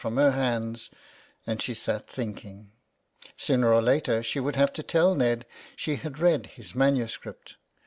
from her hands, and she sat thinking. Sooner or later she would have to tell Ned she had read his manu script.